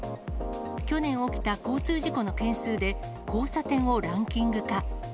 去年起きた交通事故の件数で、交差点をランキング化。